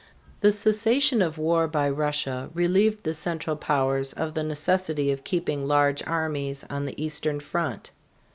The cessation of war by Russia relieved the Central Powers of the necessity of keeping large armies on the eastern front.